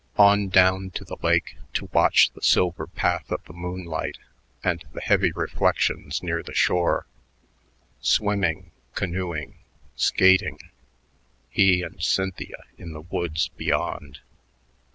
On down to the lake to watch the silver path of the moonlight and the heavy reflections near the shore. Swimming, canoeing, skating he and Cynthia in the woods beyond....